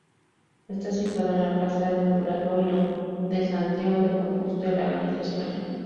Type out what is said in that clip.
Está situado en la plaza del Obradoiro de Santiago de Compostela, Galicia, España.